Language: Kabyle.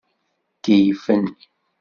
Keyyfen.